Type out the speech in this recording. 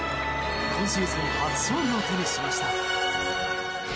今シーズン初勝利を手にしました。